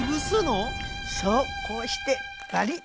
そうこうしてバリッ。